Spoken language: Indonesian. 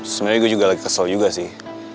sebenarnya gue juga lagi kesel juga sih